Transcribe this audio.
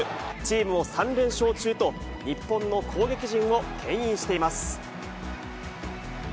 チームも３連勝中と、日本の攻撃陣をけん引しています。